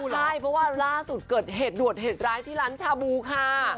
ใช่เพราะว่าล่าสุดเกิดเหตุด่วนเหตุร้ายที่ร้านชาบูค่ะ